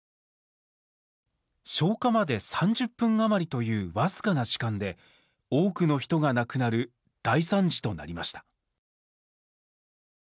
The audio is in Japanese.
消火まで３０分余りという僅かな時間で多くの人が亡くなる大惨事となりました。